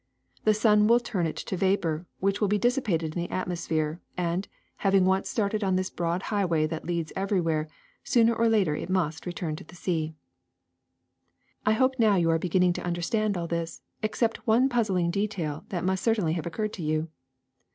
The sun will turn it to vapor, which mil be dissipated in the atmosphere; and, having once started on this broad highway that leads everywhere, sooner or later it must return to the sea. I hope now you are beginning to understand all this, except one puzzling detail that must certainly have occurred to you.